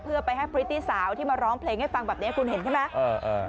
เพื่อไปให้พริตตี้สาวที่มาร้องเพลงให้ฟังแบบนี้คุณเห็นใช่ไหม